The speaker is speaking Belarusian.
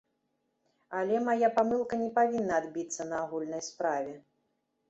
Але мая памылка не павінна адбіцца на агульнай справе.